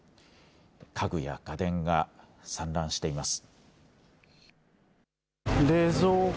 家具や家電が散乱しています。